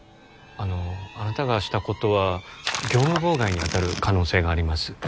あのあなたがしたことは業務妨害にあたる可能性があります